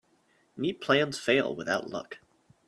Neat plans fail without luck.